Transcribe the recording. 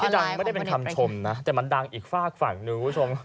ดังไม่ได้เป็นคำชมนะแต่มันดังอีกฝากฝั่งหนึ่งคุณผู้ชม